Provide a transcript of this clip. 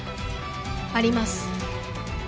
あります。